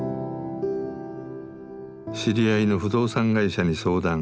知り合いの不動産会社に相談。